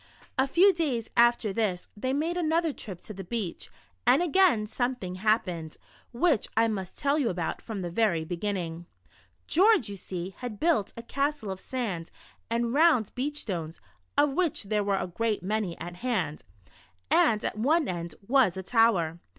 A few days after this, they made another trip to the beach, and again something happened, which I must tell you about from the ver}* beginning. George, you see, had built a castle of sand and round beach stones (of which there were a great many at hand), and at one end was a tower.